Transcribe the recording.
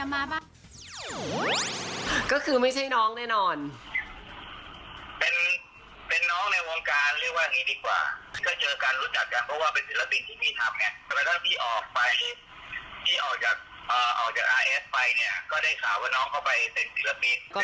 พี่ชมภูก็บอกว่าจริงน้องก็ไม่น่าจะเป็นคนมีพิษมีภัยนะเดี๋ยวไปฟังเสียงพี่ชมภูกันจ้า